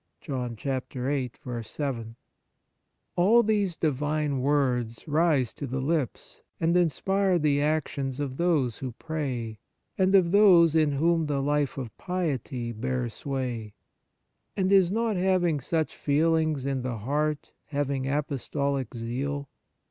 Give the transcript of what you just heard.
U All these divine words rise to the lips and inspire the actions of those who pray, and of those in whom the life of piety bears sway. And is not having such feelings in the heart having apostolic zeal